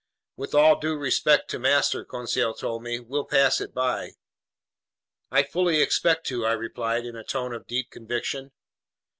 "With all due respect to master," Conseil told me, "we'll pass it by." "I fully expect to!" I replied in a tone of deep conviction.